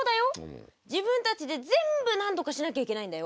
自分たちで全部なんとかしなきゃいけないんだよ。